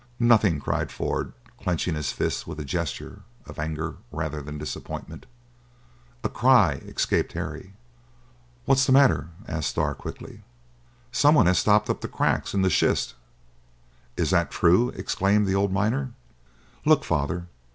"Nothing!" cried Ford, clenching his fist with a gesture rather of anger than disappointment. A cry escaped Harry. "What's the matter?" asked Starr quickly. "Someone has stopped up the cracks in the schist!" "Is that true?" exclaimed the old miner. "Look, father!"